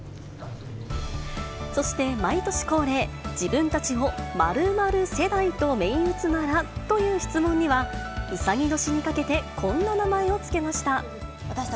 そして毎年恒例、自分たちを○○世代と銘打つなら？という質問には、うさぎ年にかけて、こんな名前を付けました。